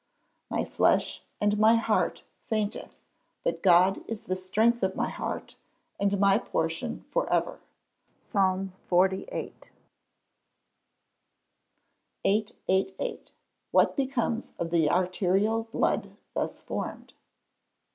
[Verse: "My flesh and my heart fainteth; but God is the strength of my heart, and my portion for ever." PSALM LXXIII.] 888. _What becomes of the arterial blood thus formed?